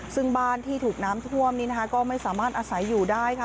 ซึ่งบ้านที่ถูกน้ำท่วมนี้นะคะก็ไม่สามารถอาศัยอยู่ได้ค่ะ